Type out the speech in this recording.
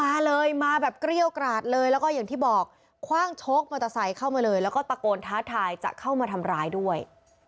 มาเลยมาแบบเกรี้ยวกราดเลยแล้วก็อย่างที่บอกคว่างโชคมอเตอร์ไซค์เข้ามาเลยแล้วก็ตะโกนท้าทายจะเข้ามาทำร้ายด้วย